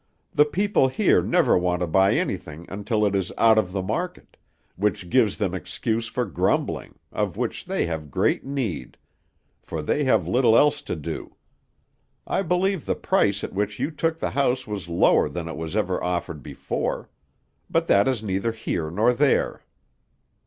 The people here never want to buy anything until it is out of the market; which gives them excuse for grumbling, of which they have great need, for they have little else to do. I believe the price at which you took the house was lower than it was ever offered before, but that is neither here nor there."